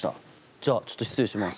じゃあちょっと失礼します。